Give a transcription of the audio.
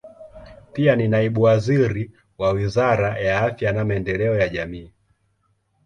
Pia ni naibu waziri wa Wizara ya Afya na Maendeleo ya Jamii.